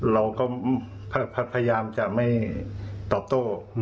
เราก็พยายามจะไม่ตอบโต้